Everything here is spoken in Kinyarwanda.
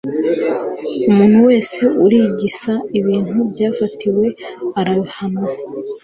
umuntu wese urigisa ibintu byafatiriwe arahanwa